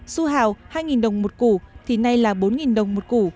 su hào hai đồng một củ thì nay là bốn đồng một củ